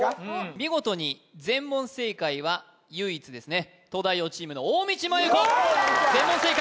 見事に全問正解は唯一ですね東大王チームの大道麻優子全問正解！